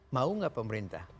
mau gak pemerintah